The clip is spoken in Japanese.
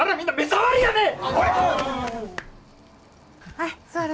はい座ろ。